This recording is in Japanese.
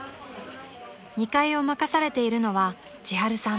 ［２階を任されているのはちはるさん］